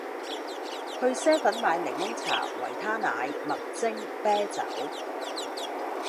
去 Seven 買檸檬茶，維他奶，麥精，啤酒